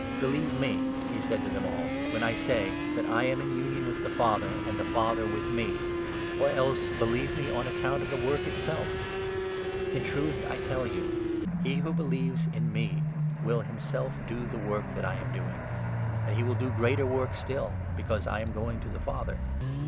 Believe 1 1 me," he said to them all, "when I say that I am in union with the Father and the Father with me, or else believe me on account of the work itself. In truth I tell you, 12 he who believes in me will himself do the work that I am doing ; and he will do greater work still, because I am going to the Father.